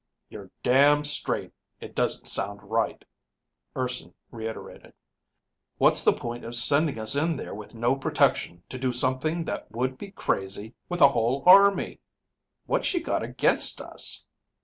"You're damn straight it doesn't sound right," Urson reiterated. "What's the point of sending us in there with no protection to do something that would be crazy with a whole army. What's she got against us?"